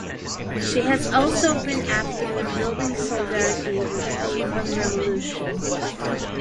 She has also been active in building solidarity with the Cuban Revolution.